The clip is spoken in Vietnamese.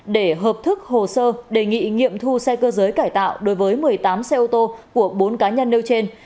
để hợp thức hồ sơ đề nghị nghiệm thu xe cơ giới cải tạo đối với một mươi tám xe ô tô của bốn cá nhân nêu trên